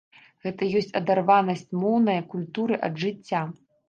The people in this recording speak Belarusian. Гэта ёсць адарванасць моўнае культуры ад жыцця.